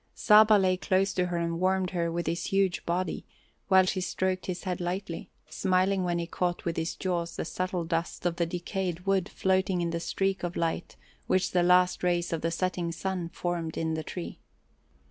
Saba lay close to her and warmed her with his huge body, while she stroked his head lightly, smiling when he caught with his jaws the subtile dust of the decayed wood floating in the streak of light which the last rays of the setting sun formed in the tree.